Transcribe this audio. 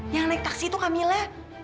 yang naik taksi itu camilla